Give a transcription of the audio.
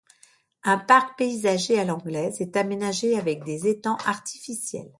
Un parc paysager à l'anglaise est aménagé avec des étangs artificiels.